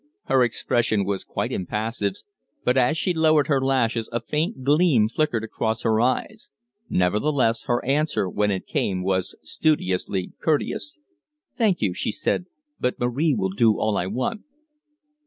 Her expression was quite impassive, but as she lowered her lashes a faint gleam flickered across her eyes; nevertheless, her answer, when it came, was studiously courteous. "Thank you," she said, "but Marie will do all I want."